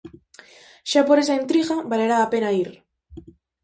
Xa por esa intriga, valerá a pena ir.